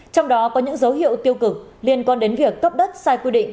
trong đó có những dấu hiệu tiêu cực liên quan đến việc cấp đất sai quy định